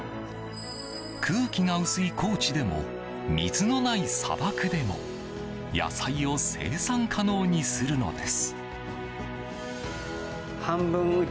空気が薄い高地でも水のない砂漠でも野菜を生産可能にするのです。